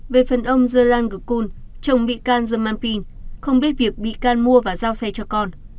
về phần ông zeland gukun chồng bị can rơm man pin không biết việc bị can mua và giao xe cho con